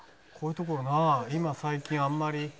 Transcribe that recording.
「こういう所な今最近あんまり」